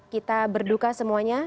kita berduka semuanya